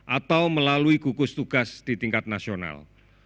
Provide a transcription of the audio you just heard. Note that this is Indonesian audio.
atau melalui gugus tugas di tingkat nasional